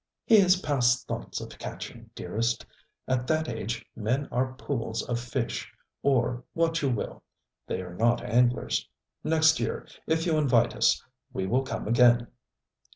'He is past thoughts of catching, dearest. At that age men are pools of fish, or what you will: they are not anglers. Next year, if you invite us, we will come again.'